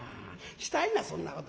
したりなそんなこと。